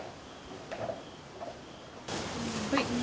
はい。